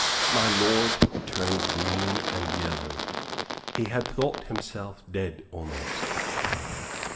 My lord turned green and yellow. He had thought himself dead almost.